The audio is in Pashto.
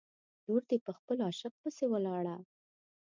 لور دې په خپل عاشق پسې ولاړه.